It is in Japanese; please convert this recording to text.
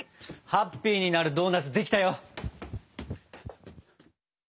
ハッピーになるドーナツできたよ！